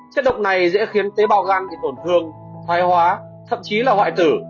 chất độc này dễ khiến tế bào gan bị tổn thương thoái hóa thậm chí là hoại tử